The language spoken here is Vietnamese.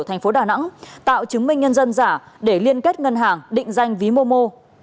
thành phố đà nẵng tạo chứng minh nhân dân giả để liên kết ngân hàng định danh ví momo